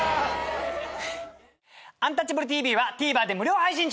「アンタッチャブるＴＶ」はＴＶｅｒで無料配信中！